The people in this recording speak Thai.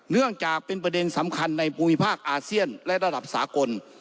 เนื่องจากเป็นประเด็นสำคัญในภูมิภาคอาเซียนและระดับสากล